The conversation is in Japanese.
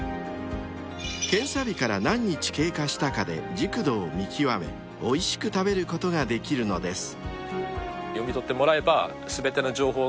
［検査日から何日経過したかで熟度を見極めおいしく食べることができるのです］